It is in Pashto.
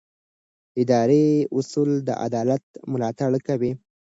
اداري اصول د عدالت ملاتړ کوي.